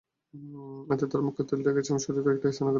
এতে তাঁর মুখ থেঁতলে গেছে এবং শরীরের কয়েকটি স্থানে আঘাত লেগেছে।